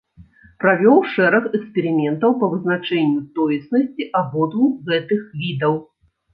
Правёў шэраг эксперыментаў па вызначэнню тоеснасці абодвух гэтых відаў.